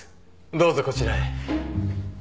どうぞこちらへ。